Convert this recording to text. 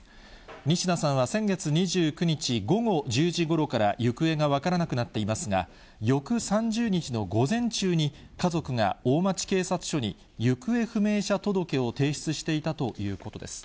仁科さんは先月２９日午後１０時ごろから行方が分からなくなっていますが、翌３０日の午前中に、家族が大町警察署に行方不明者届を提出していたということです。